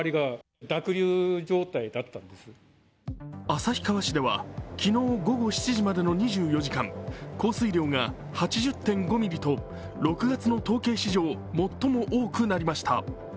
旭川市では昨日午後７時までの２４時間、降水量が８０．５ミリと６月の統計史上最も多くなりました